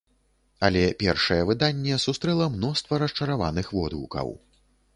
Але першае выданне сустрэла мноства расчараваных водгукаў.